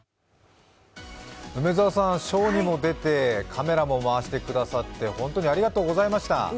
梅澤さん、ショーにも出てカメラも回してくださって本当にありがとうございました。